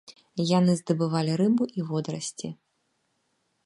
Яны здабывалі рыбу і водарасці.